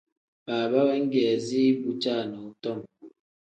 Baaba weegeezi ibu caanadom.